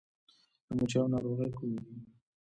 د مچیو ناروغۍ کومې دي؟